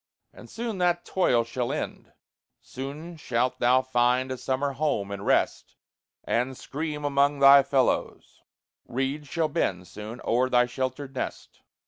And soon that toil shall end; Soon shalt thou find a summer home, and rest, And scream among thy fellows; reeds shall bend, Soon, o'er thy sheltered nest.